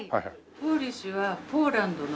ポーリッシュはポーランドの。